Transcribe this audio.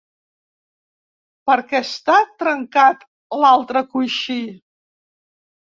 Perquè està trencat l"altre coixí?